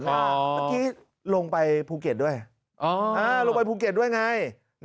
เมื่อกี้ลงไปภูเก็ตด้วยลงไปภูเก็ตด้วยไง